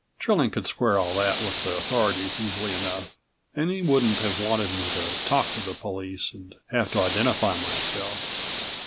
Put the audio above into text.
Trilling could square all that with the authorities easily enough and he wouldn't have wanted me to talk to the police and have to identify myself.